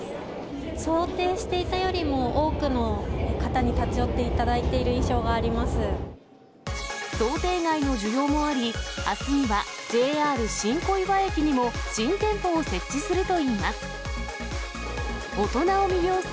想定していたよりも多くの方に立ち寄っていただいている印象があ想定外の需要もあり、あすにはＪＲ新小岩駅にも、新店舗を設置するといいます。